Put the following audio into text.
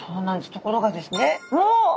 ところがですねうおっ！